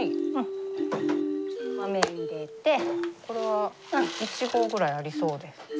これは１合ぐらいありそうです。